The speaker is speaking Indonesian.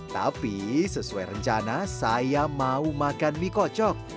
tapi sesuai rencana saya mau makan mie kocok